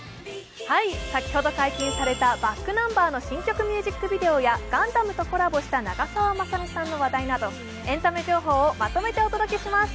先ほど解禁されたｂａｃｋｎｕｍｂｅｒの新曲ミュージックビデオやガンダムとコラボした長澤まさみさんの話題などエンタメ情報をまとめてお届けします。